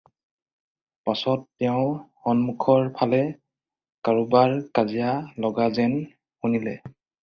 পাচত তেওঁ সন্মুখৰ ফালে কাৰোবাৰ কাজিয়া লগা যেন শুনিলে।